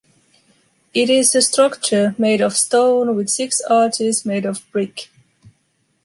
It is a structure made of stone with six arches made of brick.